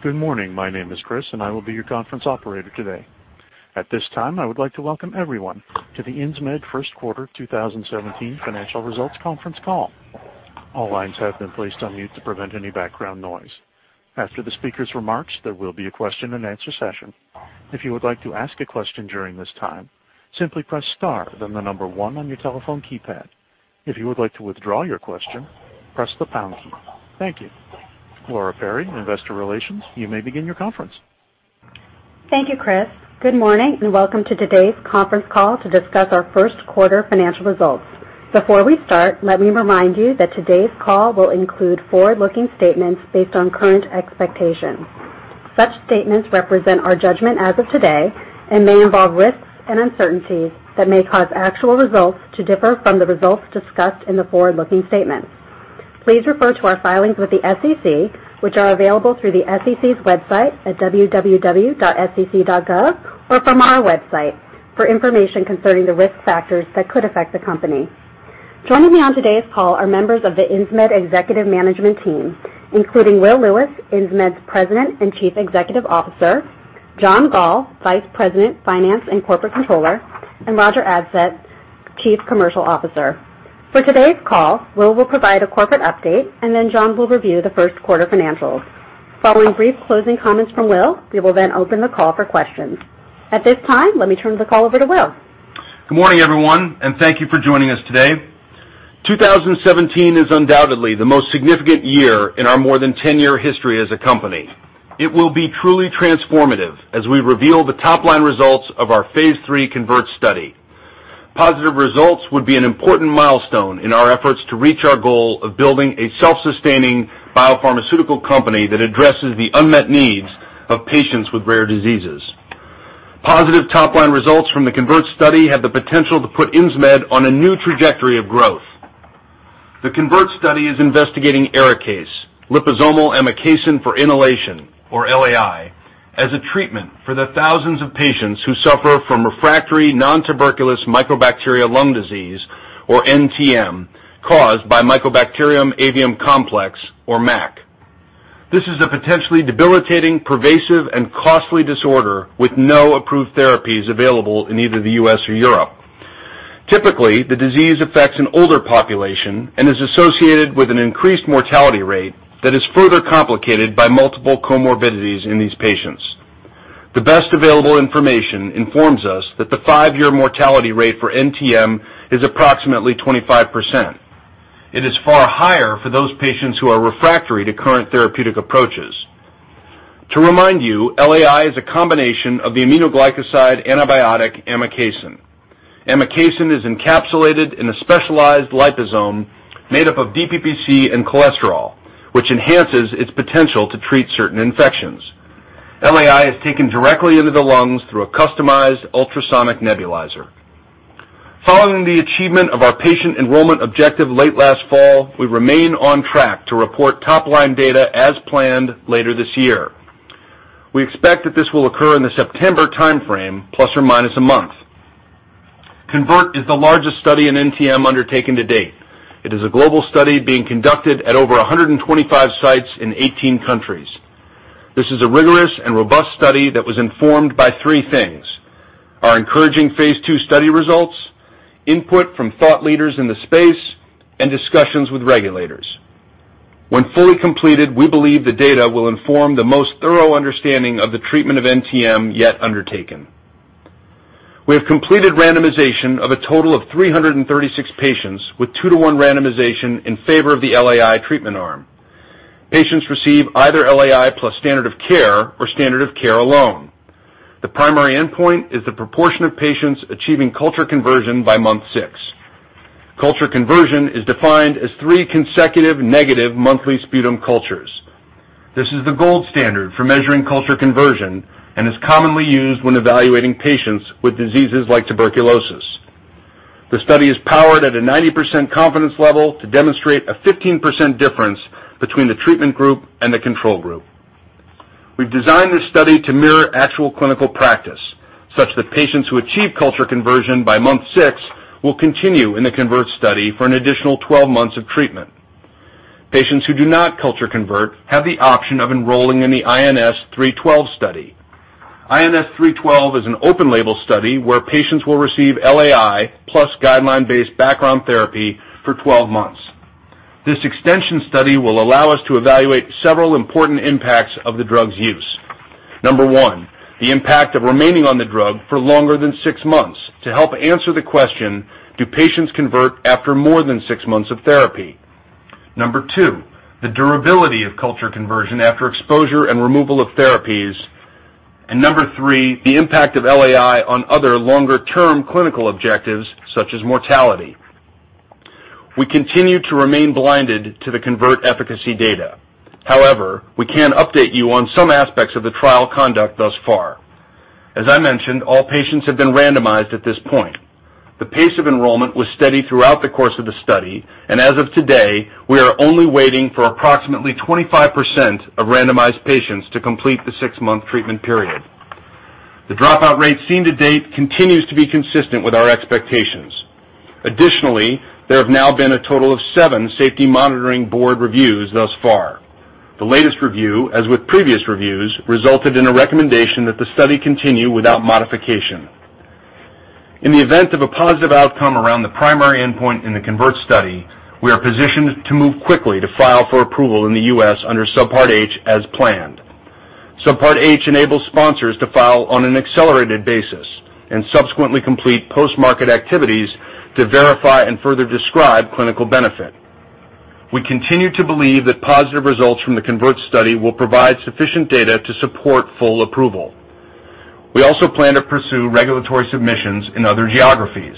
Good morning. My name is Chris, I will be your conference operator today. At this time, I would like to welcome everyone to the Insmed First Quarter 2017 Financial Results Conference Call. All lines have been placed on mute to prevent any background noise. After the speaker's remarks, there will be a question-and-answer session. If you would like to ask a question during this time, simply press star, then the number 1 on your telephone keypad. If you would like to withdraw your question, press the pound key. Thank you. Laura Perry, Investor Relations, you may begin your conference. Thank you, Chris. Good morning, welcome to today's conference call to discuss our first quarter financial results. Before we start, let me remind you that today's call will include forward-looking statements based on current expectations. Such statements represent our judgment as of today and may involve risks and uncertainties that may cause actual results to differ from the results discussed in the forward-looking statements. Please refer to our filings with the SEC, which are available through the SEC's website at sec.gov or from our website, for information concerning the risk factors that could affect the company. Joining me on today's call are members of the Insmed Executive Management Team, including Will Lewis, Insmed's President and Chief Executive Officer; John Gall, Vice President, Finance and Corporate Controller; and Roger Adsett, Chief Commercial Officer. For today's call, Will will provide a corporate update, John will review the first quarter financials. Following brief closing comments from Will, we will open the call for questions. At this time, let me turn the call over to Will. Good morning, everyone, thank you for joining us today. 2017 is undoubtedly the most significant year in our more than 10-year history as a company. It will be truly transformative as we reveal the top-line results of our phase III CONVERT study. Positive results would be an important milestone in our efforts to reach our goal of building a self-sustaining biopharmaceutical company that addresses the unmet needs of patients with rare diseases. Positive top-line results from the CONVERT study have the potential to put Insmed on a new trajectory of growth. The CONVERT study is investigating ARIKAYCE, liposomal amikacin for inhalation, or LAI, as a treatment for the thousands of patients who suffer from refractory nontuberculous mycobacteria lung disease, or NTM, caused by Mycobacterium avium complex or MAC. This is a potentially debilitating, pervasive, and costly disorder with no approved therapies available in either the U.S. or Europe. Typically, the disease affects an older population and is associated with an increased mortality rate that is further complicated by multiple comorbidities in these patients. The best available information informs us that the five-year mortality rate for NTM is approximately 25%. It is far higher for those patients who are refractory to current therapeutic approaches. To remind you, LAI is a combination of the aminoglycoside antibiotic amikacin. Amikacin is encapsulated in a specialized liposome made up of DPPC and cholesterol, which enhances its potential to treat certain infections. LAI is taken directly into the lungs through a customized ultrasonic nebulizer. Following the achievement of our patient enrollment objective late last fall, we remain on track to report top-line data as planned later this year. We expect that this will occur in the September timeframe, ± a month. CONVERT is the largest study in NTM undertaken to date. It is a global study being conducted at over 125 sites in 18 countries. This is a rigorous and robust study that was informed by three things: our encouraging Phase II study results, input from thought leaders in the space, and discussions with regulators. When fully completed, we believe the data will inform the most thorough understanding of the treatment of NTM yet undertaken. We have completed randomization of a total of 336 patients with two-to-one randomization in favor of the LAI treatment arm. Patients receive either LAI plus standard of care or standard of care alone. The primary endpoint is the proportion of patients achieving culture conversion by month six. Culture conversion is defined as three consecutive negative monthly sputum cultures. This is the gold standard for measuring culture conversion and is commonly used when evaluating patients with diseases like tuberculosis. The study is powered at a 90% confidence level to demonstrate a 15% difference between the treatment group and the control group. We've designed this study to mirror actual clinical practice, such that patients who achieve culture conversion by month six will continue in the CONVERT study for an additional 12 months of treatment. Patients who do not culture convert have the option of enrolling in the INS-312 study. INS-312 is an open-label study where patients will receive LAI plus guideline-based background therapy for 12 months. This extension study will allow us to evaluate several important impacts of the drug's use. Number one, the impact of remaining on the drug for longer than six months to help answer the question: Do patients convert after more than six months of therapy? Number two, the durability of culture conversion after exposure and removal of therapies. Number three, the impact of LAI on other longer-term clinical objectives such as mortality. We continue to remain blinded to the CONVERT efficacy data. However, we can update you on some aspects of the trial conduct thus far. As I mentioned, all patients have been randomized at this point. The pace of enrollment was steady throughout the course of the study. As of today, we are only waiting for approximately 25% of randomized patients to complete the six-month treatment period. The dropout rate seen to date continues to be consistent with our expectations. Additionally, there have now been a total of seven safety monitoring board reviews thus far. The latest review, as with previous reviews, resulted in a recommendation that the study continue without modification. In the event of a positive outcome around the primary endpoint in the CONVERT study, we are positioned to move quickly to file for approval in the U.S. under Subpart H as planned. Subpart H enables sponsors to file on an accelerated basis and subsequently complete post-market activities to verify and further describe clinical benefit. We continue to believe that positive results from the CONVERT study will provide sufficient data to support full approval. We also plan to pursue regulatory submissions in other geographies.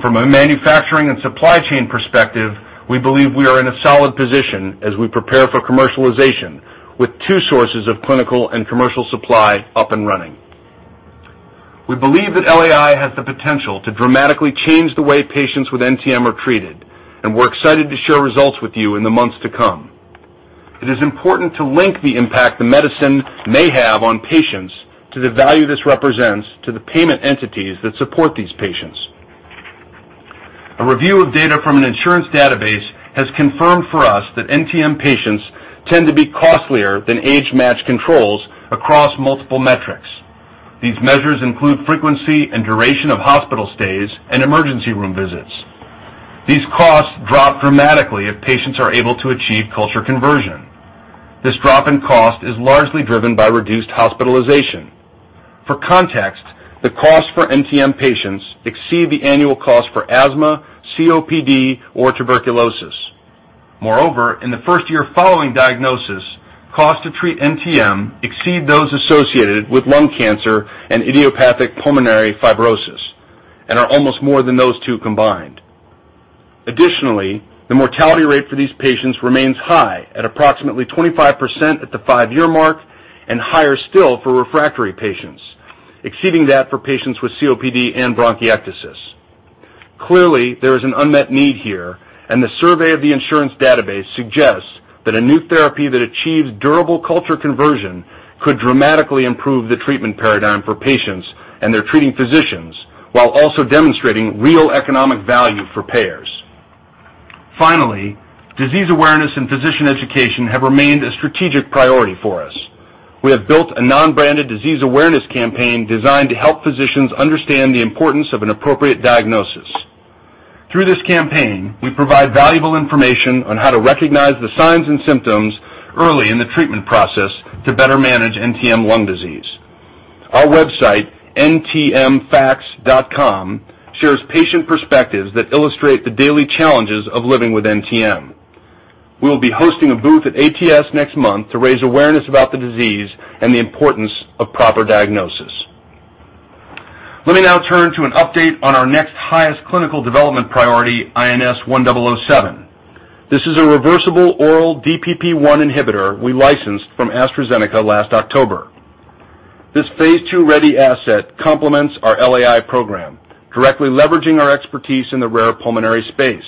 From a manufacturing and supply chain perspective, we believe we are in a solid position as we prepare for commercialization with two sources of clinical and commercial supply up and running. We believe that LAI has the potential to dramatically change the way patients with NTM are treated, and we're excited to share results with you in the months to come. It is important to link the impact the medicine may have on patients to the value this represents to the payment entities that support these patients. A review of data from an insurance database has confirmed for us that NTM patients tend to be costlier than age-matched controls across multiple metrics. These measures include frequency and duration of hospital stays and emergency room visits. These costs drop dramatically if patients are able to achieve culture conversion. This drop in cost is largely driven by reduced hospitalization. For context, the cost for NTM patients exceed the annual cost for asthma, COPD, or tuberculosis. Moreover, in the first year following diagnosis, cost to treat NTM exceed those associated with lung cancer and idiopathic pulmonary fibrosis and are almost more than those two combined. Additionally, the mortality rate for these patients remains high at approximately 25% at the five-year mark and higher still for refractory patients, exceeding that for patients with COPD and bronchiectasis. Clearly, there is an unmet need here, and the survey of the insurance database suggests that a new therapy that achieves durable culture conversion could dramatically improve the treatment paradigm for patients and their treating physicians while also demonstrating real economic value for payers. Finally, disease awareness and physician education have remained a strategic priority for us. We have built a non-branded disease awareness campaign designed to help physicians understand the importance of an appropriate diagnosis. Through this campaign, we provide valuable information on how to recognize the signs and symptoms early in the treatment process to better manage NTM lung disease. Our website, ntmfacts.com, shares patient perspectives that illustrate the daily challenges of living with NTM. We'll be hosting a booth at ATS next month to raise awareness about the disease and the importance of proper diagnosis. Let me now turn to an update on our next highest clinical development priority, INS1007. This is a reversible oral DPP1 inhibitor we licensed from AstraZeneca last October. This phase II-ready asset complements our LAI program, directly leveraging our expertise in the rare pulmonary space.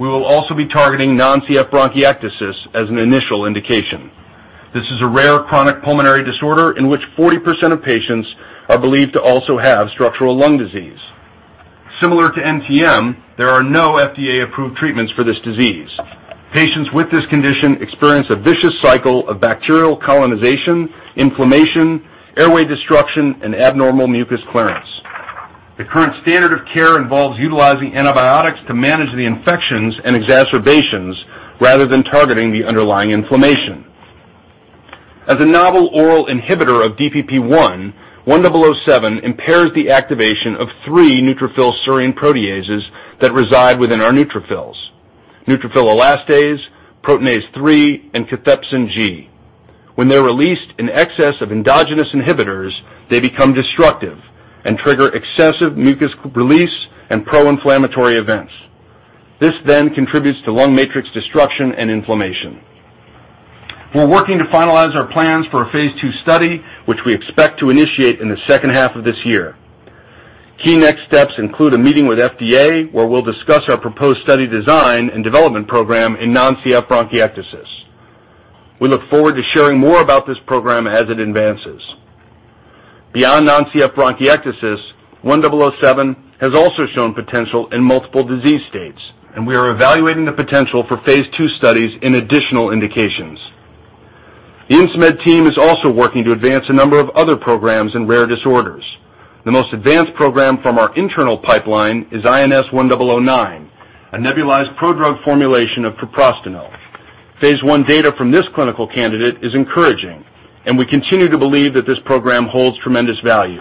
We will also be targeting non-CF bronchiectasis as an initial indication. This is a rare chronic pulmonary disorder in which 40% of patients are believed to also have structural lung disease. Similar to NTM, there are no FDA-approved treatments for this disease. Patients with this condition experience a vicious cycle of bacterial colonization, inflammation, airway destruction, and abnormal mucus clearance. The current standard of care involves utilizing antibiotics to manage the infections and exacerbations rather than targeting the underlying inflammation. As a novel oral inhibitor of DPP1, 1007 impairs the activation of three neutrophil serine proteases that reside within our neutrophils: neutrophil elastase, proteinase 3, and cathepsin G. When they're released in excess of endogenous inhibitors, they become destructive and trigger excessive mucus release and pro-inflammatory events. This then contributes to lung matrix destruction and inflammation. We're working to finalize our plans for a phase II study, which we expect to initiate in the second half of this year. Key next steps include a meeting with FDA, where we'll discuss our proposed study design and development program in non-CF bronchiectasis. We look forward to sharing more about this program as it advances. Beyond non-CF bronchiectasis, 1007 has also shown potential in multiple disease states, and we are evaluating the potential for phase II studies in additional indications. The Insmed team is also working to advance a number of other programs in rare disorders. The most advanced program from our internal pipeline is INS1009, a nebulized prodrug formulation of treprostinil. Phase I data from this clinical candidate is encouraging, and we continue to believe that this program holds tremendous value.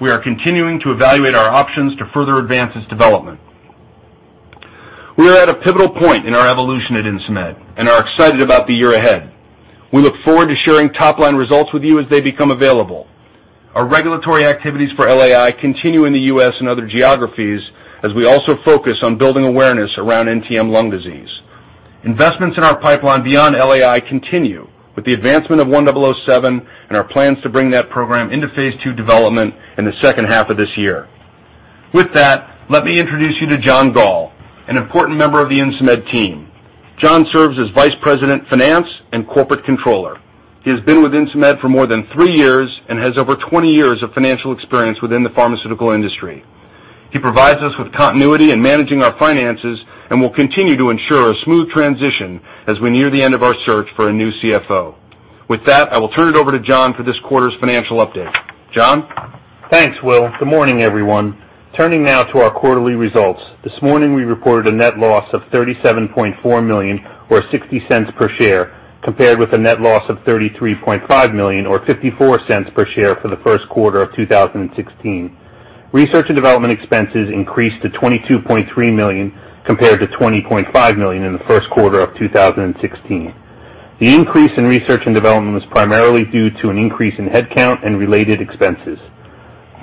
We are continuing to evaluate our options to further advance its development. We are at a pivotal point in our evolution at Insmed and are excited about the year ahead. We look forward to sharing top-line results with you as they become available. Our regulatory activities for LAI continue in the U.S. and other geographies as we also focus on building awareness around NTM lung disease. Investments in our pipeline beyond LAI continue with the advancement of 1007 and our plans to bring that program into phase II development in the second half of this year. With that, let me introduce you to John Gall, an important member of the Insmed team. John serves as Vice President of Finance and Corporate Controller. He has been with Insmed for more than three years and has over 20 years of financial experience within the pharmaceutical industry. He provides us with continuity in managing our finances and will continue to ensure a smooth transition as we near the end of our search for a new CFO. With that, I will turn it over to John for this quarter's financial update. John? Thanks, Will. Good morning, everyone. Turning now to our quarterly results. This morning, we reported a net loss of $37.4 million or $0.60 per share, compared with a net loss of $33.5 million or $0.54 per share for the first quarter of 2016. Research and development expenses increased to $22.3 million compared to $20.5 million in the first quarter of 2016. The increase in research and development was primarily due to an increase in headcount and related expenses.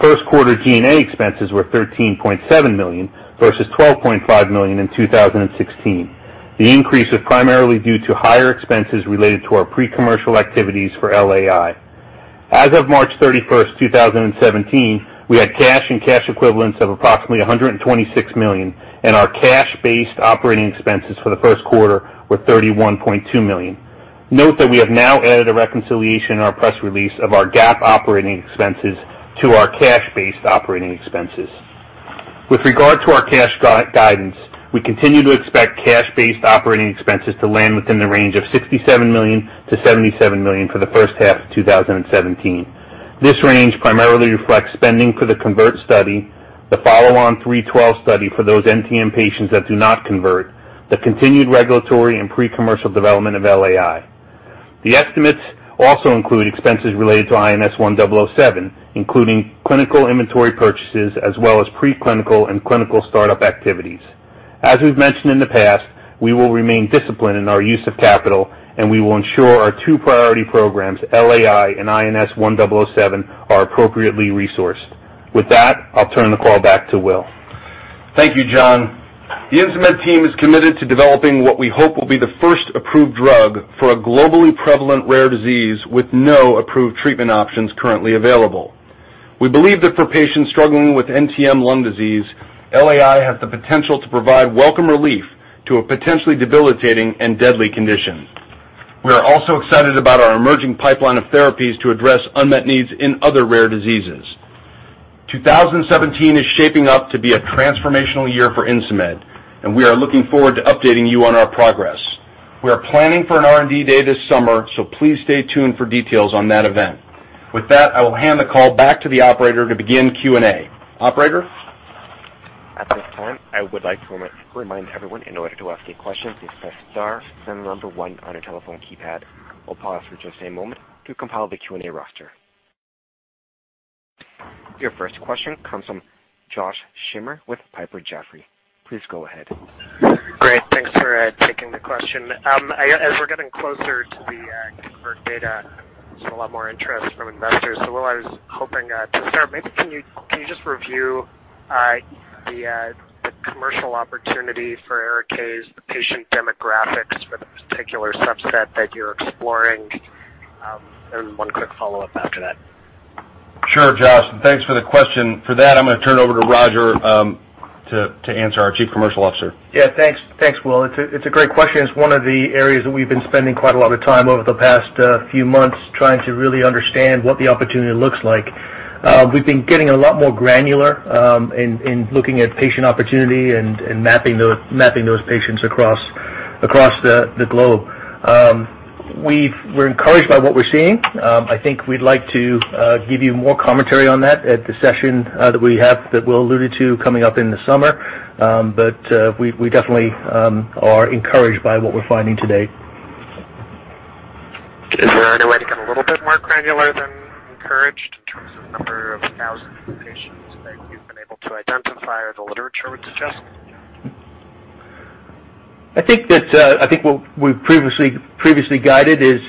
First quarter G&A expenses were $13.7 million versus $12.5 million in 2016. The increase was primarily due to higher expenses related to our pre-commercial activities for LAI. As of March 31st, 2017, we had cash and cash equivalents of approximately $126 million, and our cash-based operating expenses for the first quarter were $31.2 million. Note that we have now added a reconciliation in our press release of our GAAP operating expenses to our cash-based operating expenses. With regard to our cash guidance, we continue to expect cash-based operating expenses to land within the range of $67 million-$77 million for the first half of 2017. This range primarily reflects spending for the CONVERT study, the follow-on INS-312 study for those NTM patients that do not convert, the continued regulatory and pre-commercial development of LAI. The estimates also include expenses related to INS1007, including clinical inventory purchases as well as pre-clinical and clinical startup activities. As we've mentioned in the past, we will remain disciplined in our use of capital, and we will ensure our two priority programs, LAI and INS1007, are appropriately resourced. With that, I'll turn the call back to Will. Thank you, John. The Insmed team is committed to developing what we hope will be the first approved drug for a globally prevalent, rare disease with no approved treatment options currently available. We believe that for patients struggling with NTM lung disease, LAI has the potential to provide welcome relief to a potentially debilitating and deadly condition. We are also excited about our emerging pipeline of therapies to address unmet needs in other rare diseases. 2017 is shaping up to be a transformational year for Insmed. We are looking forward to updating you on our progress. We are planning for an R&D day this summer. Please stay tuned for details on that event. With that, I will hand the call back to the operator to begin Q&A. Operator? At this time, I would like to remind everyone, in order to ask a question, to press star then the number one on your telephone keypad. We'll pause for just a moment to compile the Q&A roster. Your first question comes from Josh Schimmer with Piper Jaffray. Please go ahead. Great. Thanks for taking the question. As we're getting closer to the CONVERT data, there's a lot more interest from investors. Will, I was hoping to start, maybe can you just review the commercial opportunity for ARIKAYCE, the patient demographics for the particular subset that you're exploring? One quick follow-up after that. Sure, Josh, thanks for the question. For that, I'm going to turn it over to Roger to answer, our Chief Commercial Officer. Yeah. Thanks, Will. It's a great question. It's one of the areas that we've been spending quite a lot of time over the past few months trying to really understand what the opportunity looks like. We've been getting a lot more granular in looking at patient opportunity and mapping those patients across the globe. We're encouraged by what we're seeing. I think we'd like to give you more commentary on that at the session that we have that Will alluded to coming up in the summer. We definitely are encouraged by what we're finding to date. Is there any way to get a little bit more granular than encouraged in terms of number of thousands of patients that you've been able to identify or the literature would suggest? I think what we've previously guided is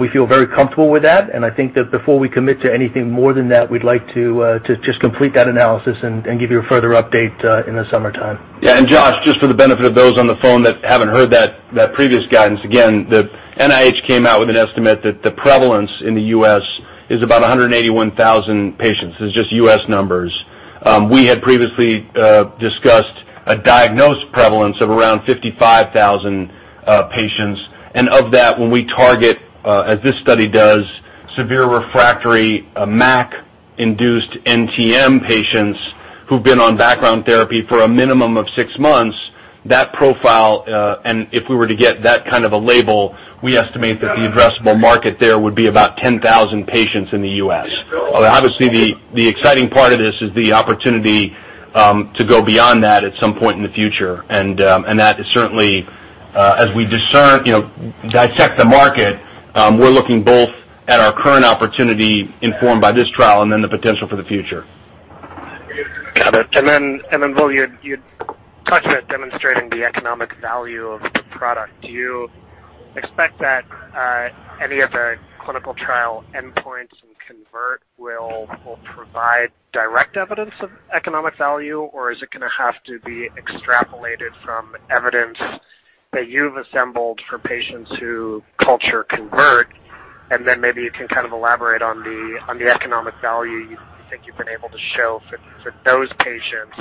we feel very comfortable with that, and I think that before we commit to anything more than that, we'd like to just complete that analysis and give you a further update in the summertime. Yeah. Josh, just for the benefit of those on the phone that haven't heard that previous guidance, again, the NIH came out with an estimate that the prevalence in the U.S. is about 181,000 patients. This is just U.S. numbers. We had previously discussed a diagnosed prevalence of around 55,000 patients. Of that, when we target, as this study does, severe refractory MAC-induced NTM patients who've been on background therapy for a minimum of six months, that profile, and if we were to get that kind of a label, we estimate that the addressable market there would be about 10,000 patients in the U.S. Obviously, the exciting part of this is the opportunity to go beyond that at some point in the future. That is certainly as we dissect the market, we're looking both at our current opportunity informed by this trial and then the potential for the future. Got it. Will, you'd touched on demonstrating the economic value of the product. Do you expect that any of the clinical trial endpoints in CONVERT will provide direct evidence of economic value, or is it going to have to be extrapolated from evidence that you've assembled for patients who culture convert? Maybe you can elaborate on the economic value you think you've been able to show for those patients.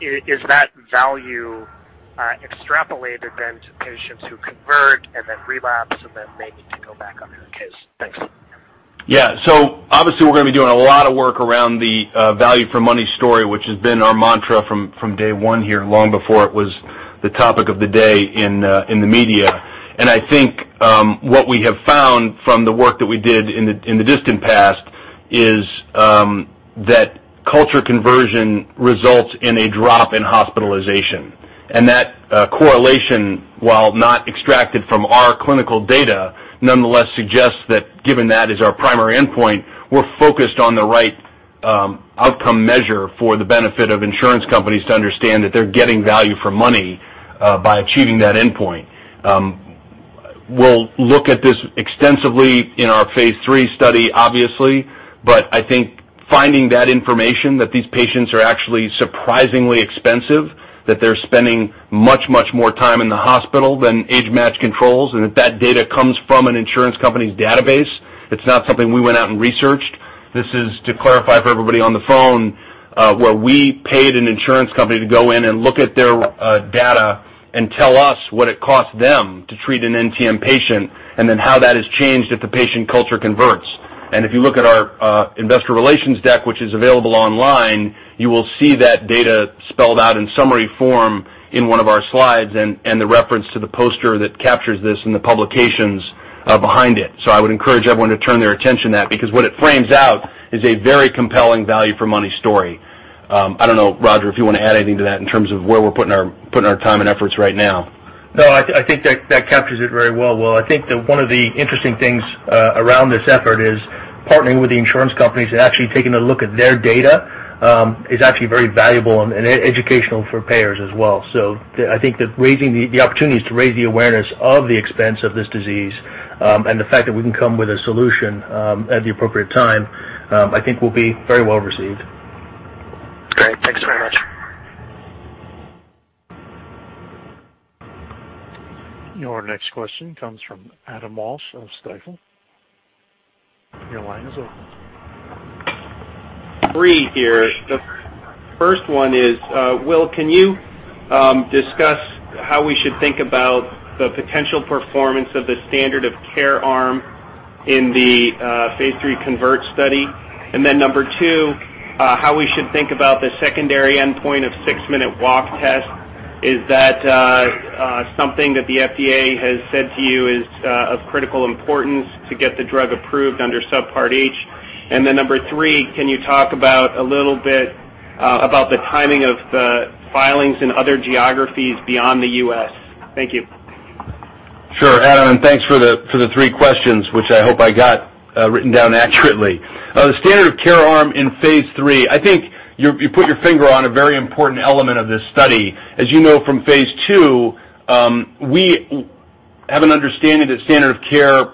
Is that value extrapolated then to patients who convert and then relapse and then they need to go back on ARIKAYCE? Thanks. Yeah. Obviously, we're going to be doing a lot of work around the value for money story, which has been our mantra from day one here, long before it was the topic of the day in the media. I think what we have found from the work that we did in the distant past is that culture conversion results in a drop in hospitalization. That correlation, while not extracted from our clinical data, nonetheless suggests that given that as our primary endpoint, we're focused on the right outcome measure for the benefit of insurance companies to understand that they're getting value for money by achieving that endpoint. We'll look at this extensively in our phase III study, obviously, but I think finding that information that these patients are actually surprisingly expensive, that they're spending much, much more time in the hospital than age-matched controls, and that data comes from an insurance company's database. It's not something we went out and researched. This is to clarify for everybody on the phone where we paid an insurance company to go in and look at their data and tell us what it costs them to treat an NTM patient, and then how that has changed if the patient culture converts. If you look at our investor relations deck, which is available online, you will see that data spelled out in summary form in one of our slides and the reference to the poster that captures this in the publications behind it. I would encourage everyone to turn their attention to that, because what it frames out is a very compelling value for money story. I don't know, Roger, if you want to add anything to that in terms of where we're putting our time and efforts right now. I think that captures it very well, Will. I think that one of the interesting things around this effort is partnering with the insurance companies and actually taking a look at their data is actually very valuable and educational for payers as well. I think the opportunity is to raise the awareness of the expense of this disease, and the fact that we can come with a solution at the appropriate time, I think will be very well received. Great. Thanks very much. Your next question comes from Adam Walsh of Stifel. Your line is open. Three here. The first one is, Will, can you discuss how we should think about the potential performance of the standard of care arm in the phase III CONVERT study? Then number two, how we should think about the secondary endpoint of six-minute walk test? Is that something that the FDA has said to you is of critical importance to get the drug approved under Subpart H? Then number three, can you talk about a little bit about the timing of the filings in other geographies beyond the U.S.? Thank you. Sure, Adam. Thanks for the three questions, which I hope I got written down accurately. The standard of care arm in phase III, I think you put your finger on a very important element of this study. As you know from phase II, we have an understanding that standard of care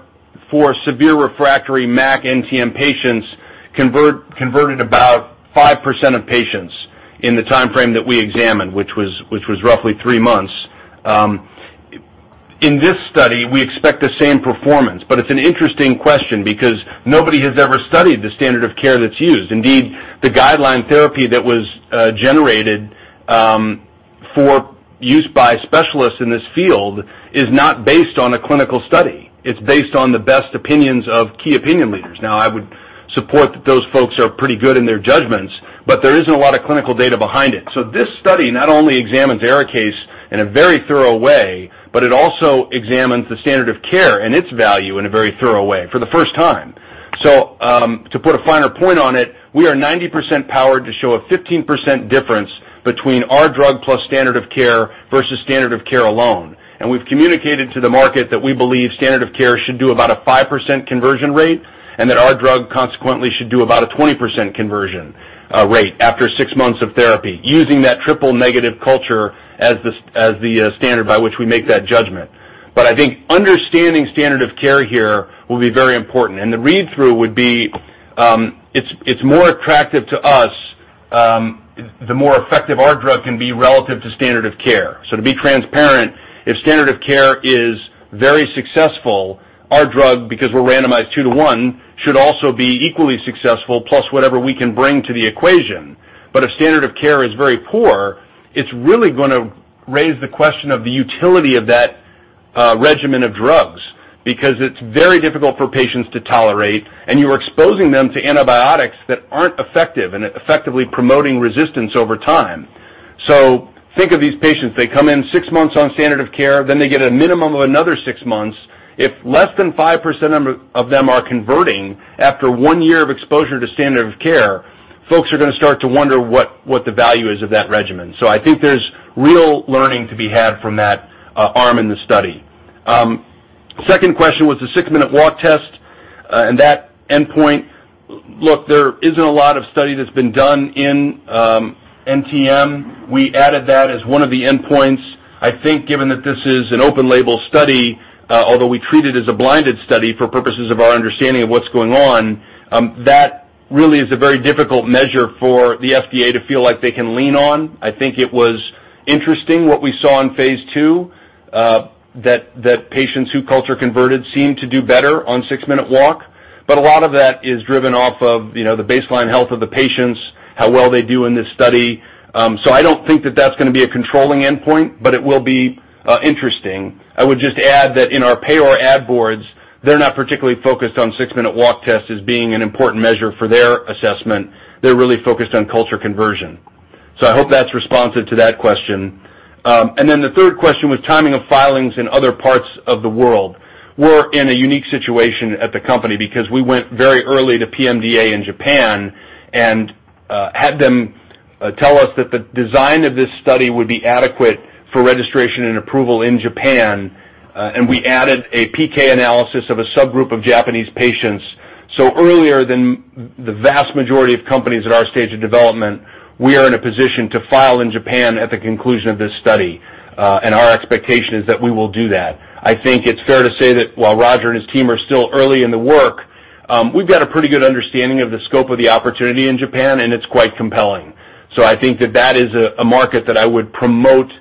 for severe refractory MAC NTM patients converted about 5% of patients in the timeframe that we examined, which was roughly three months. It's an interesting question because nobody has ever studied the standard of care that's used. Indeed, the guideline therapy that was generated for use by specialists in this field is not based on a clinical study. It's based on the best opinions of key opinion leaders. I would support that those folks are pretty good in their judgments, but there isn't a lot of clinical data behind it. This study not only examines ARIKAYCE in a very thorough way, but it also examines the standard of care and its value in a very thorough way for the first time. To put a finer point on it, we are 90% powered to show a 15% difference between our drug plus standard of care versus standard of care alone. We've communicated to the market that we believe standard of care should do about a 5% conversion rate, and that our drug consequently should do about a 20% conversion rate after six months of therapy, using that triple negative culture as the standard by which we make that judgment. I think understanding standard of care here will be very important, and the read-through would be it's more attractive to us the more effective our drug can be relative to standard of care. To be transparent, if standard of care is very successful, our drug, because we're randomized 2 to 1, should also be equally successful, plus whatever we can bring to the equation. If standard of care is very poor, it's really going to raise the question of the utility of that regimen of drugs, because it's very difficult for patients to tolerate, and you're exposing them to antibiotics that aren't effective and effectively promoting resistance over time. Think of these patients. They come in six months on standard of care, then they get a minimum of another six months. If less than 5% of them are converting after one year of exposure to standard of care, folks are going to start to wonder what the value is of that regimen. I think there's real learning to be had from that arm in the study. Second question was the six-minute walk test and that endpoint. Look, there isn't a lot of study that's been done in NTM. We added that as one of the endpoints. I think given that this is an open-label study, although we treat it as a blinded study for purposes of our understanding of what's going on, that really is a very difficult measure for the FDA to feel like they can lean on. I think it was interesting what we saw in phase II, that patients who culture converted seem to do better on six-minute walk. A lot of that is driven off of the baseline health of the patients, how well they do in this study. I don't think that's going to be a controlling endpoint, but it will be interesting. I would just add that in our payer ad boards, they're not particularly focused on six-minute walk tests as being an important measure for their assessment. They're really focused on culture conversion. I hope that's responsive to that question. The third question was timing of filings in other parts of the world. We're in a unique situation at the company because we went very early to PMDA in Japan and had them tell us that the design of this study would be adequate for registration and approval in Japan. We added a PK analysis of a subgroup of Japanese patients. Earlier than the vast majority of companies at our stage of development, we are in a position to file in Japan at the conclusion of this study. Our expectation is that we will do that. I think it's fair to say that while Roger and his team are still early in the work, we've got a pretty good understanding of the scope of the opportunity in Japan, and it's quite compelling. I think that is a market that I would promote to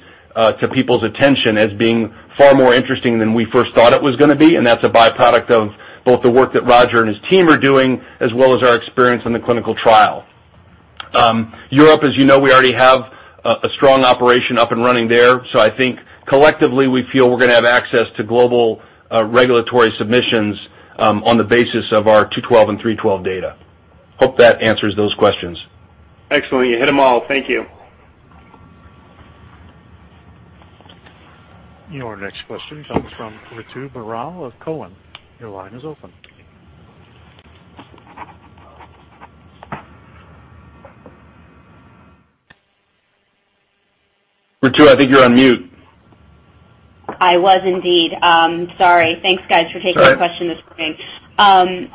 people's attention as being far more interesting than we first thought it was going to be. That's a byproduct of both the work that Roger and his team are doing, as well as our experience in the clinical trial. Europe, as you know, we already have a strong operation up and running there. I think collectively we feel we're going to have access to global regulatory submissions on the basis of our INS-212 and INS-312 data. Hope that answers those questions. Excellent. You hit them all. Thank you. Your next question comes from Ritu Baral of Cowen. Your line is open. Ritu, I think you're on mute. I was indeed. Sorry. Thanks, guys, for taking- It's all right the question this morning.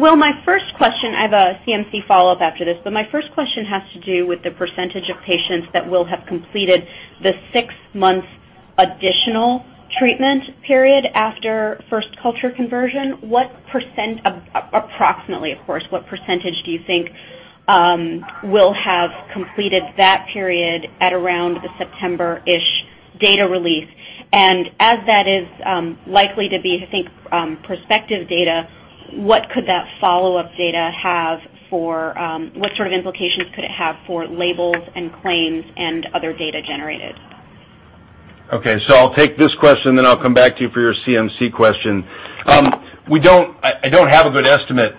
Well, my first question, I have a CMC follow-up after this, but my first question has to do with the percentage of patients that will have completed the 6-month additional treatment period after first culture conversion. Approximately, of course, what percentage do you think will have completed that period at around the September-ish data release? As that is likely to be, I think, prospective data, what sort of implications could it have for labels and claims and other data generated? Okay. I'll take this question, then I'll come back to you for your CMC question. I don't have a good estimate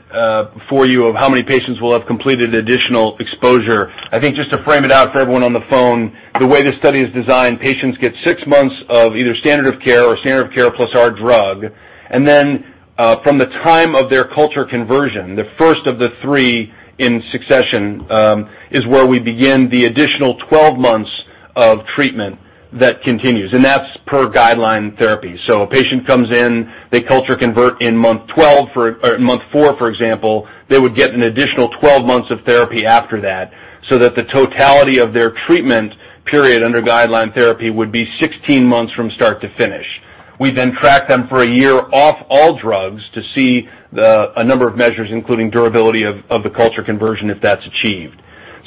for you of how many patients will have completed additional exposure. I think just to frame it out for everyone on the phone, the way this study is designed, patients get 6 months of either standard of care or standard of care plus our drug. Then, from the time of their culture conversion, the first of the three in succession is where we begin the additional 12 months of treatment that continues, and that's per guideline therapy. A patient comes in, they culture convert in month four, for example, they would get an additional 12 months of therapy after that, so that the totality of their treatment period under guideline therapy would be 16 months from start to finish. We then track them for a year off all drugs to see a number of measures, including durability of the culture conversion, if that's achieved.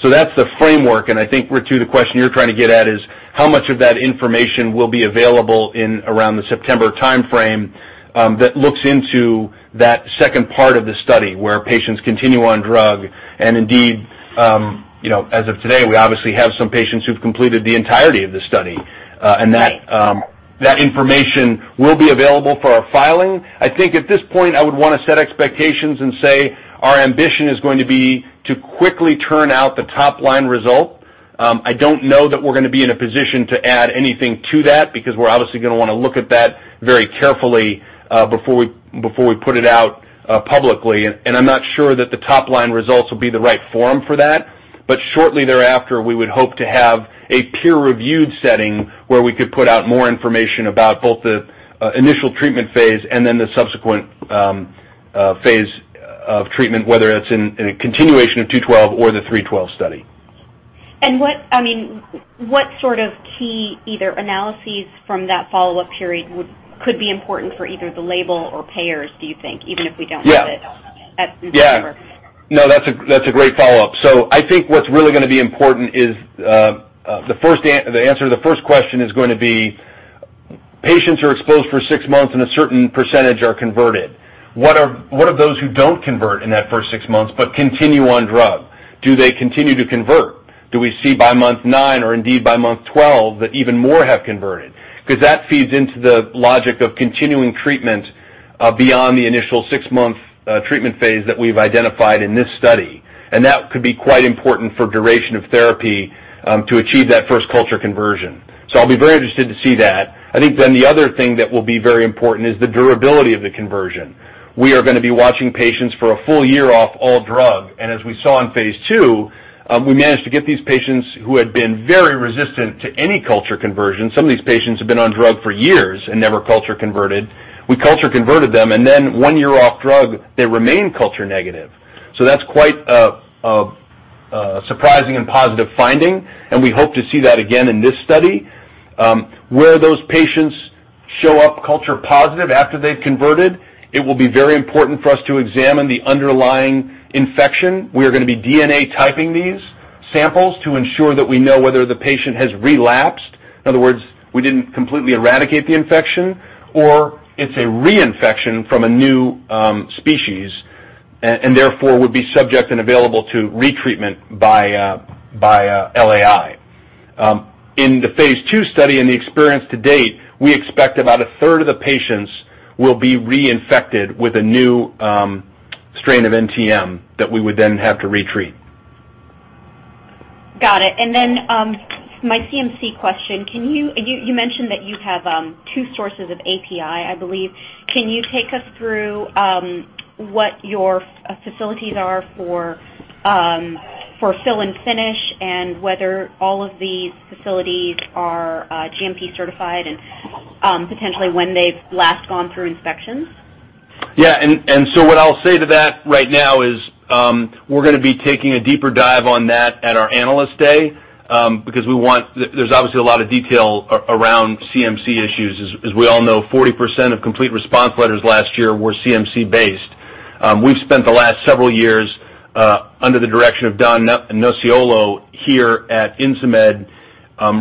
That's the framework, and I think, Ritu, the question you're trying to get at is how much of that information will be available in around the September timeframe that looks into that second part of the study where patients continue on drug. Indeed, as of today, we obviously have some patients who've completed the entirety of the study, and that information will be available for our filing. I think at this point, I would want to set expectations and say our ambition is going to be to quickly turn out the top-line result. I don't know that we're going to be in a position to add anything to that because we're obviously going to want to look at that very carefully before we put it out publicly. I'm not sure that the top-line results will be the right forum for that. Shortly thereafter, we would hope to have a peer-reviewed setting where we could put out more information about both the initial treatment phase and then the subsequent phase of treatment, whether it's in a continuation of INS-212 or the INS-312 study. What sort of key either analyses from that follow-up period could be important for either the label or payers, do you think? Even if we don't have it- Yeah at September. No, that's a great follow-up. I think what's really going to be important is the answer to the first question is going to be patients are exposed for six months and a certain percentage are converted. What of those who don't convert in that first six months but continue on drug? Do they continue to convert? Do we see by month nine or indeed by month 12 that even more have converted? Because that feeds into the logic of continuing treatment beyond the initial six-month treatment phase that we've identified in this study. That could be quite important for duration of therapy to achieve that first culture conversion. I'll be very interested to see that. I think the other thing that will be very important is the durability of the conversion. We are going to be watching patients for a full year off all drug. As we saw in phase II, we managed to get these patients who had been very resistant to any culture conversion. Some of these patients have been on drug for years and never culture converted. We culture converted them, and then one year off drug, they remain culture negative. That's quite a surprising and positive finding, and we hope to see that again in this study. Where those patients show up culture positive after they've converted, it will be very important for us to examine the underlying infection. We are going to be DNA typing these samples to ensure that we know whether the patient has relapsed. In other words, we didn't completely eradicate the infection, or it's a reinfection from a new species, therefore would be subject and available to retreatment by LAI. In the phase II study and the experience to date, we expect about a third of the patients will be reinfected with a new strain of NTM that we would have to retreat. Got it. My CMC question. You mentioned that you have two sources of API, I believe. Can you take us through what your facilities are for fill and finish, whether all of these facilities are GMP certified, potentially when they've last gone through inspections? Yeah. What I'll say to that right now is, we're going to be taking a deeper dive on that at our Analyst Day, because there's obviously a lot of detail around CMC issues. As we all know, 40% of complete response letters last year were CMC based. We've spent the last several years, under the direction of Don Nociolo here at Insmed,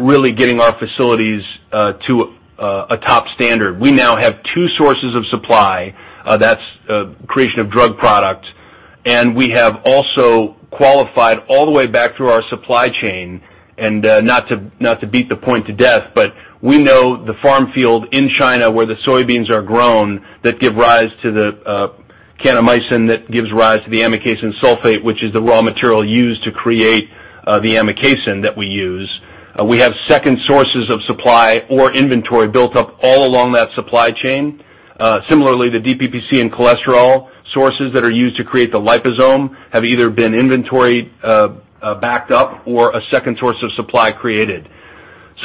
really getting our facilities to a top standard. We now have two sources of supply. That's creation of drug product, and we have also qualified all the way back through our supply chain. Not to beat the point to death, but we know the farm field in China where the soybeans are grown that give rise to the kanamycin that gives rise to the amikacin sulfate, which is the raw material used to create the amikacin that we use. We have second sources of supply or inventory built up all along that supply chain. Similarly, the DPPC and cholesterol sources that are used to create the liposome have either been inventoried, backed up, or a second source of supply created.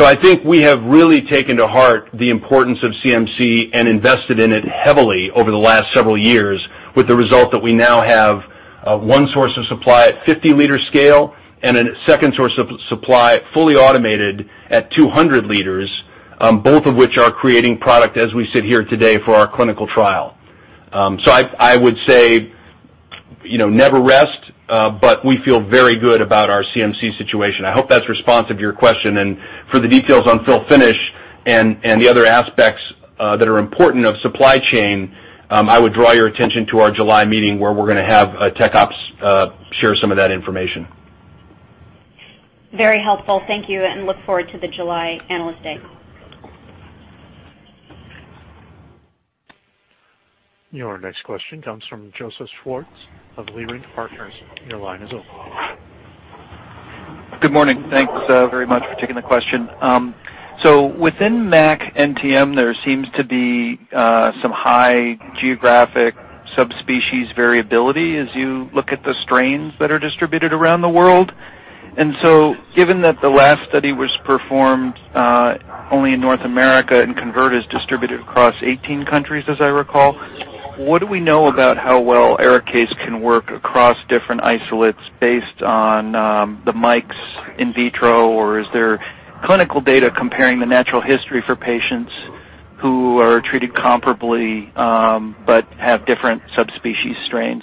I think we have really taken to heart the importance of CMC and invested in it heavily over the last several years with the result that we now have one source of supply at 50-liter scale and a second source of supply fully automated at 200 liters, both of which are creating product as we sit here today for our clinical trial. I would say never rest, but we feel very good about our CMC situation. I hope that's responsive to your question. For the details on fill finish and the other aspects that are important of supply chain, I would draw your attention to our July meeting where we're going to have tech ops share some of that information. Very helpful. Thank you, and look forward to the July Analyst Day. Your next question comes from Joseph Schwartz of Leerink Partners. Your line is open. Good morning. Thanks very much for taking the question. Within MAC NTM, there seems to be some high geographic subspecies variability as you look at the strains that are distributed around the world. Given that the last study was performed only in North America and CONVERT is distributed across 18 countries, as I recall, what do we know about how well ARIKAYCE can work across different isolates based on the MICs in vitro, or is there clinical data comparing the natural history for patients who are treated comparably but have different subspecies strains?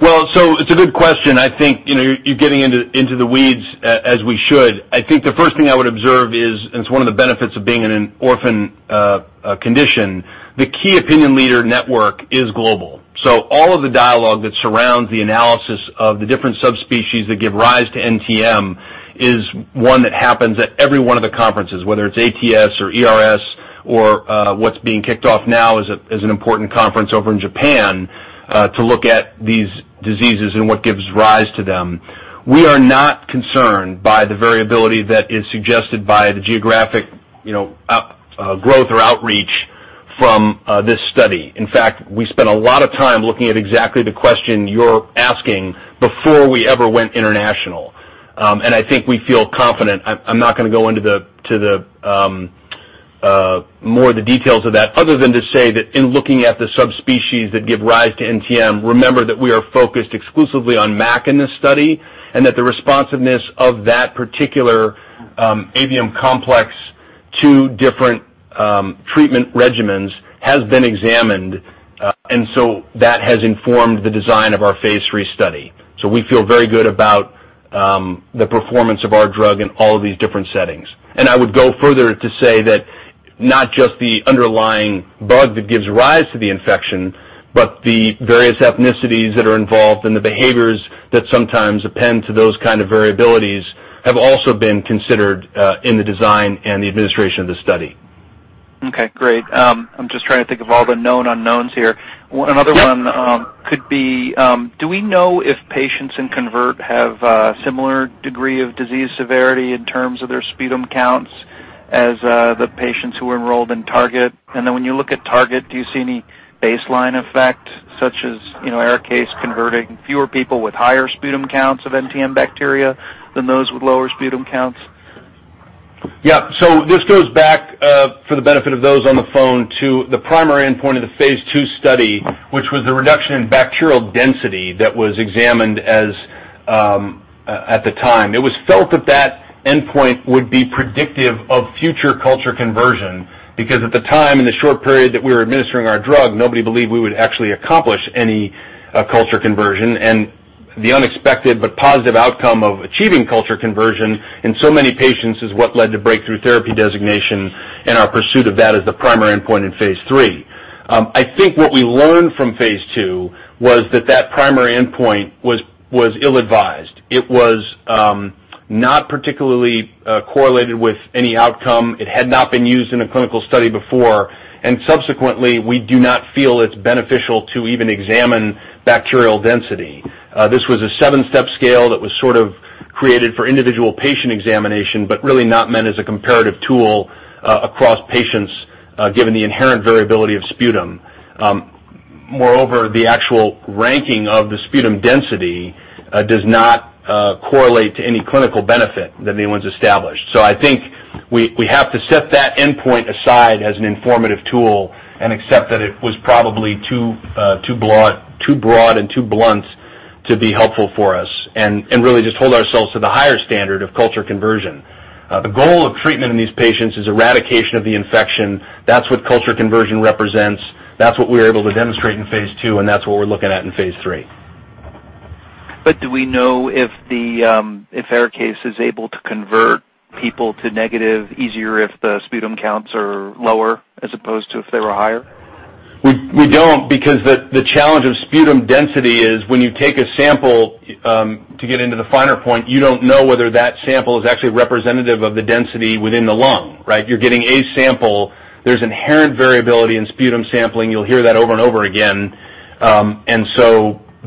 Well, it's a good question. I think you're getting into the weeds as we should. I think the first thing I would observe is, it's one of the benefits of being in an orphan condition, the key opinion leader network is global. All of the dialogue that surrounds the analysis of the different subspecies that give rise to NTM is one that happens at every one of the conferences, whether it's ATS or ERS or what's being kicked off now as an important conference over in Japan to look at these diseases and what gives rise to them. We are not concerned by the variability that is suggested by the geographic up growth or outreach from this study. In fact, we spent a lot of time looking at exactly the question you're asking before we ever went international. I think we feel confident. I'm not going to go into more of the details of that other than to say that in looking at the subspecies that give rise to NTM, remember that we are focused exclusively on MAC in this study, that the responsiveness of that particular avium complex to different treatment regimens has been examined. That has informed the design of our phase III study. We feel very good about the performance of our drug in all of these different settings. I would go further to say that not just the underlying bug that gives rise to the infection, but the various ethnicities that are involved and the behaviors that sometimes append to those kind of variabilities have also been considered in the design and the administration of the study. Okay, great. I'm just trying to think of all the known unknowns here. Yep. Another one could be, do we know if patients in CONVERT have a similar degree of disease severity in terms of their sputum counts as the patients who enrolled in TARGET? Then when you look at TARGET, do you see any baseline effect such as ARIKAYCE converting fewer people with higher sputum counts of NTM bacteria than those with lower sputum counts? Yeah. This goes back, for the benefit of those on the phone, to the primary endpoint of the phase II study, which was the reduction in bacterial density that was examined at the time. It was felt that that endpoint would be predictive of future culture conversion, because at the time, in the short period that we were administering our drug, nobody believed we would actually accomplish any culture conversion. The unexpected but positive outcome of achieving culture conversion in so many patients is what led to breakthrough therapy designation and our pursuit of that as the primary endpoint in phase III. I think what we learned from phase II was that that primary endpoint was ill-advised. It was not particularly correlated with any outcome. It had not been used in a clinical study before, subsequently, we do not feel it's beneficial to even examine bacterial density. This was a seven-step scale that was sort of created for individual patient examination, but really not meant as a comparative tool across patients, given the inherent variability of sputum. Moreover, the actual ranking of the sputum density does not correlate to any clinical benefit that anyone's established. I think we have to set that endpoint aside as an informative tool and accept that it was probably too broad and too blunt to be helpful for us and really just hold ourselves to the higher standard of culture conversion. The goal of treatment in these patients is eradication of the infection. That's what culture conversion represents. That's what we were able to demonstrate in phase II, and that's what we're looking at in phase III. Do we know if ARIKAYCE is able to convert people to negative easier if the sputum counts are lower as opposed to if they were higher? We don't because the challenge of sputum density is when you take a sample to get into the finer point, you don't know whether that sample is actually representative of the density within the lung. Right? You're getting a sample. There's inherent variability in sputum sampling. You'll hear that over and over again.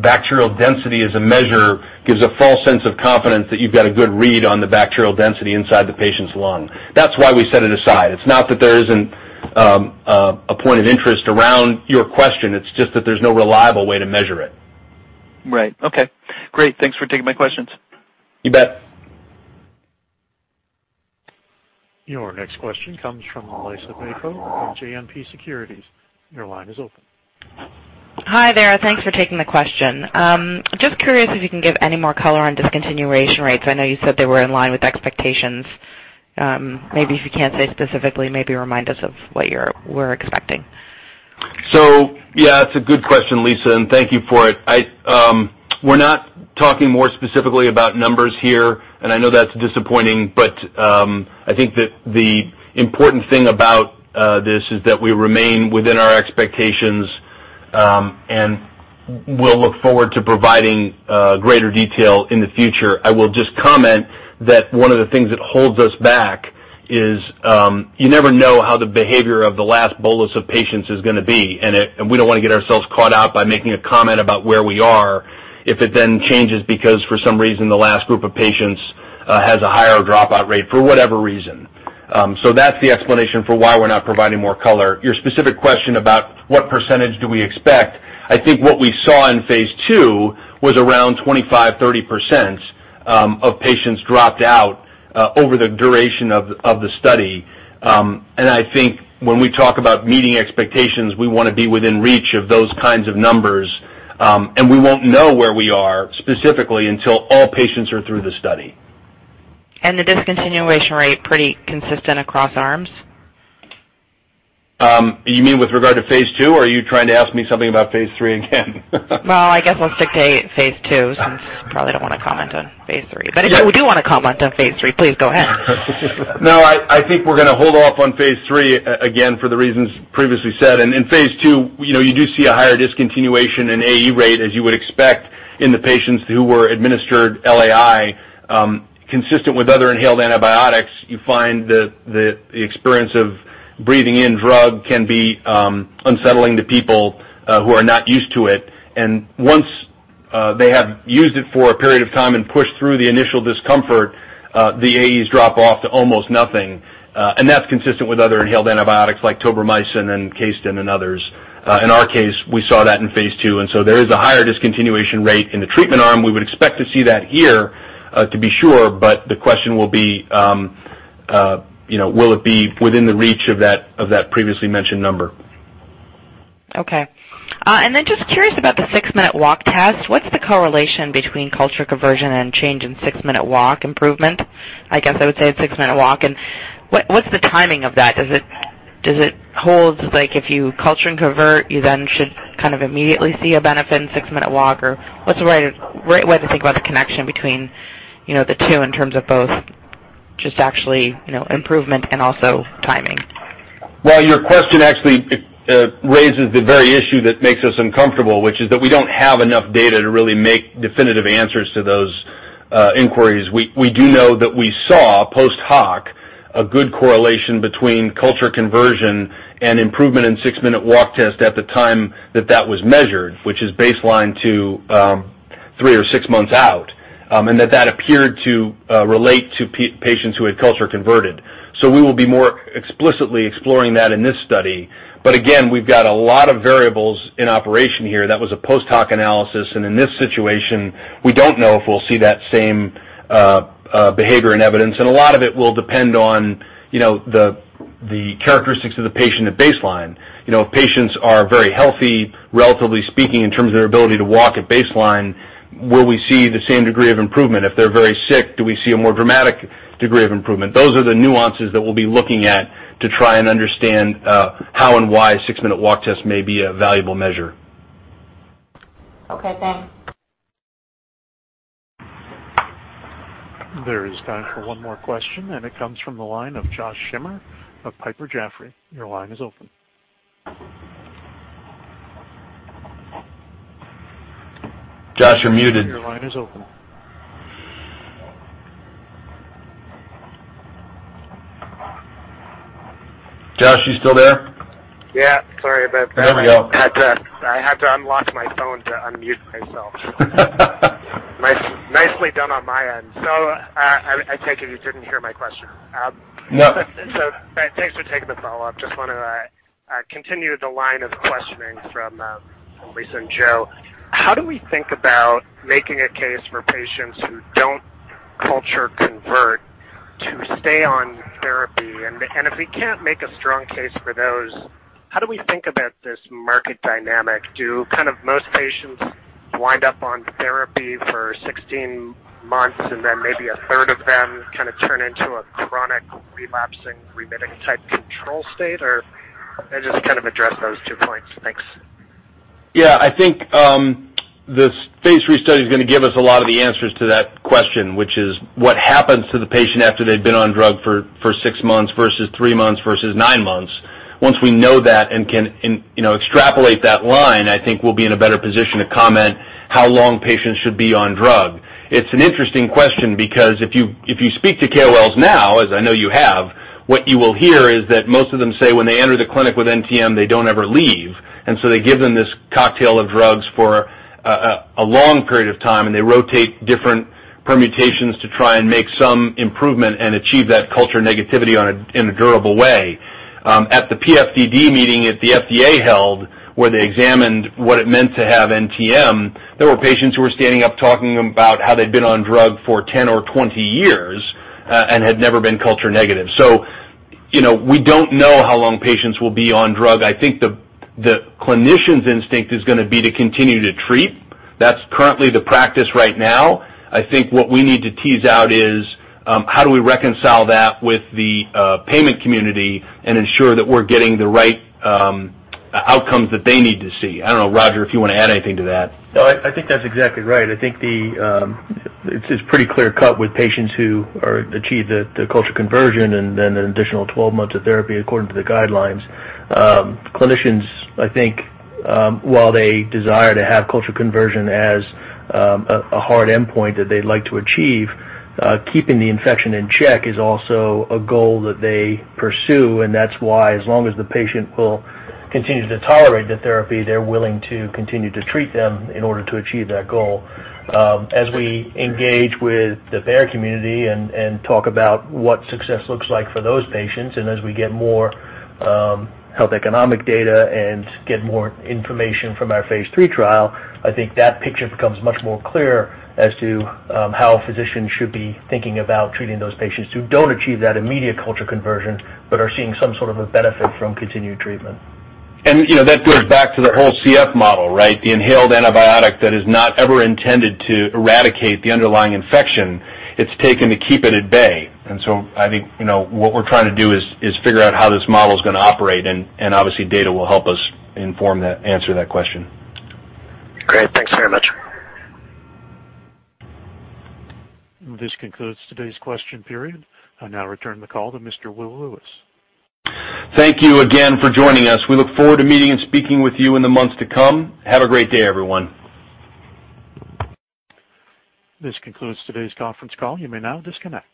Bacterial density as a measure gives a false sense of confidence that you've got a good read on the bacterial density inside the patient's lung. That's why we set it aside. It's not that there isn't a point of interest around your question. It's just that there's no reliable way to measure it. Right. Okay, great. Thanks for taking my questions. You bet. Your next question comes from Liisa Bayko of JMP Securities. Your line is open. Hi there. Thanks for taking the question. Just curious if you can give any more color on discontinuation rates. I know you said they were in line with expectations. Maybe if you can't say specifically, maybe remind us of what you were expecting. Yeah, it's a good question, Liisa, and thank you for it. We're not talking more specifically about numbers here, I know that's disappointing, but I think that the important thing about this is that we remain within our expectations, We'll look forward to providing greater detail in the future. I will just comment that one of the things that holds us back is you never know how the behavior of the last bolus of patients is going to be, We don't want to get ourselves caught out by making a comment about where we are if it then changes because, for some reason, the last group of patients has a higher dropout rate for whatever reason. That's the explanation for why we're not providing more color. Your specific question about what percentage do we expect, I think what we saw in phase II was around 25%-30% of patients dropped out over the duration of the study. I think when we talk about meeting expectations, we want to be within reach of those kinds of numbers. We won't know where we are specifically until all patients are through the study. The discontinuation rate pretty consistent across arms? You mean with regard to phase II, or are you trying to ask me something about phase III again? Well, I guess I'll stick to phase II since you probably don't want to comment on phase III. Yeah. If you do want to comment on phase III, please go ahead. No, I think we're going to hold off on phase III again for the reasons previously said. In phase II, you do see a higher discontinuation in AE rate, as you would expect, in the patients who were administered LAI. Consistent with other inhaled antibiotics, you find that the experience of breathing in drug can be unsettling to people who are not used to it. Once they have used it for a period of time and pushed through the initial discomfort, the AEs drop off to almost nothing. That's consistent with other inhaled antibiotics like tobramycin and CAYSTON and others. In our case, we saw that in phase II, there is a higher discontinuation rate in the treatment arm. We would expect to see that here to be sure, but the question will be will it be within the reach of that previously mentioned number. Okay. Just curious about the six-minute walk test. What's the correlation between culture conversion and change in six-minute walk improvement? I guess I would say a six-minute walk. What's the timing of that? Does it hold, like if you culture and convert, you then should kind of immediately see a benefit in six-minute walk? What's the right way to think about the connection between the two in terms of both just actually improvement and also timing? Well, your question actually raises the very issue that makes us uncomfortable, which is that we don't have enough data to really make definitive answers to those inquiries. We do know that we saw post hoc a good correlation between culture conversion and improvement in six-minute walk test at the time that that was measured, which is baseline to three or six months out, and that that appeared to relate to patients who had culture converted. We will be more explicitly exploring that in this study. Again, we've got a lot of variables in operation here. That was a post hoc analysis, in this situation, we don't know if we'll see that same behavior and evidence. A lot of it will depend on the characteristics of the patient at baseline. If patients are very healthy, relatively speaking, in terms of their ability to walk at baseline, will we see the same degree of improvement? If they're very sick, do we see a more dramatic degree of improvement? Those are the nuances that we'll be looking at to try and understand how and why a six-minute walk test may be a valuable measure. Okay, thanks. There is time for one more question. It comes from the line of Josh Schimmer of Piper Jaffray. Your line is open. Josh, you're muted. Your line is open. Josh, you still there? Yeah, sorry about that. There we go. I had to unlock my phone to unmute myself. Nicely done on my end. I take it you didn't hear my question? No. Thanks for taking the follow-up. Just want to continue the line of questioning from Liisa and Joe. How do we think about making a case for patients who don't culture convert to stay on therapy? If we can't make a strong case for those, how do we think about this market dynamic? Do most patients wind up on therapy for 16 months and then maybe a third of them turn into a chronic relapsing, remitting type control state? Just address those two points. Thanks. Yeah, I think the phase III study is going to give us a lot of the answers to that question, which is what happens to the patient after they've been on drug for six months, versus three months, versus nine months. Once we know that and can extrapolate that line, I think we'll be in a better position to comment how long patients should be on drug. It's an interesting question because if you speak to KOLs now, as I know you have, what you will hear is that most of them say when they enter the clinic with NTM, they don't ever leave. They give them this cocktail of drugs for a long period of time, and they rotate different permutations to try and make some improvement and achieve that culture negativity in a durable way. At the PFDD meeting that the FDA held, where they examined what it meant to have NTM, there were patients who were standing up talking about how they'd been on drug for 10 or 20 years and had never been culture negative. We don't know how long patients will be on drug. I think the clinician's instinct is going to be to continue to treat. That's currently the practice right now. I think what we need to tease out is, how do we reconcile that with the payment community and ensure that we're getting the right outcomes that they need to see? I don't know, Roger, if you want to add anything to that. No, I think that's exactly right. I think it's pretty clear cut with patients who achieve the culture conversion and then an additional 12 months of therapy according to the guidelines. Clinicians, I think, while they desire to have culture conversion as a hard endpoint that they'd like to achieve, keeping the infection in check is also a goal that they pursue. That's why as long as the patient will continue to tolerate the therapy, they're willing to continue to treat them in order to achieve that goal. As we engage with the payer community and talk about what success looks like for those patients, as we get more health economic data and get more information from our phase III trial, I think that picture becomes much more clear as to how physicians should be thinking about treating those patients who don't achieve that immediate culture conversion but are seeing some sort of a benefit from continued treatment. That goes back to the whole CF model, right? The inhaled antibiotic that is not ever intended to eradicate the underlying infection. It's taken to keep it at bay. I think what we're trying to do is figure out how this model is going to operate, and obviously, data will help us inform that, answer that question. Great. Thanks very much. This concludes today's question period. I now return the call to Mr. Will Lewis. Thank you again for joining us. We look forward to meeting and speaking with you in the months to come. Have a great day, everyone. This concludes today's conference call. You may now disconnect.